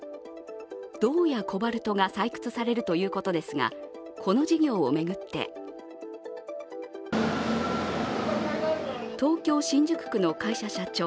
銅やコバルトが採掘されるということですがこの事業を巡って東京・新宿区の会社社長